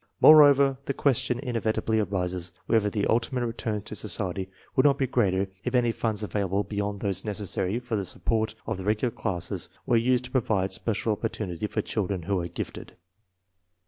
More over, the question inevitably arises whether the ulti mate returns to society would not be greater if any funds available beyond those necessary for the sup port of the regular classes were used to provide special opportunity for children who are gifted.